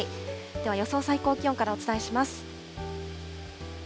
では、予想最高気温からお伝えします。